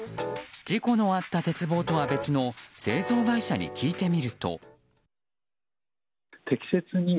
事故のあった鉄棒とは別の製造会社に聞いてみると。